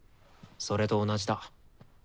それと同じだ。